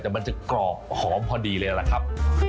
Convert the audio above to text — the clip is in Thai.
แต่มันจะกรอบหอมพอดีเลยล่ะครับ